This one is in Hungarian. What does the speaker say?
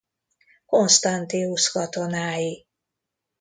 Constantius katonái.